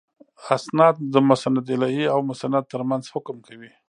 اِسناد د مسندالیه او مسند تر منځ حکم کوي.